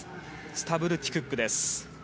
スタブルティ・クックです。